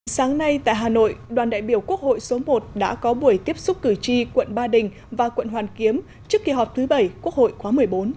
sáng nay tại hà nội đoàn đại biểu quốc hội số một đã có buổi tiếp xúc cử tri quận ba đình và quận hoàn kiếm trước kỳ họp thứ bảy quốc hội khóa một mươi bốn